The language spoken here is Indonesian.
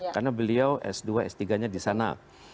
karena beliau s dua s tiga nya disana